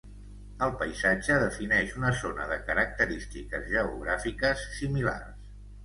El paisatge defineix una zona de característiques geogràfiques similars.